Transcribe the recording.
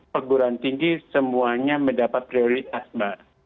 perguruan tinggi semuanya mendapat prioritas mbak